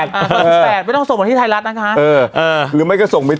อ่าสิบแปดไม่ต้องส่งมาที่ไทรรัษฐศ์นะคะเออเออหรือไม่ว่าก็ส่งไป